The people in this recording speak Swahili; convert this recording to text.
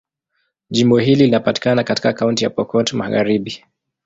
Jimbo hili linapatikana katika Kaunti ya Pokot Magharibi.